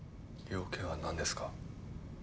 用件はなんですか？